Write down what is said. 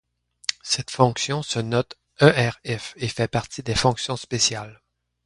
Cette fonction se note erf et fait partie des fonctions spéciales.